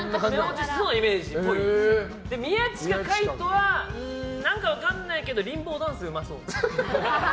宮近海斗は何か分からないけどリンボーダンスうまそう。